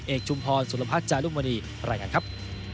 เอกชุมพรสุรพัชย์จารุมณีรายการครับ